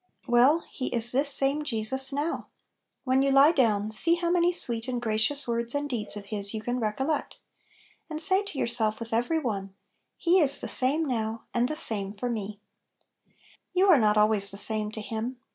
Well, He is "this same Jesus" now. When you lie down, see how many sweet and gracious words and deeds of His you can recollect, and say to yourself with every one, "He is the same now, and the same for me I " Tou are not always the same to Him.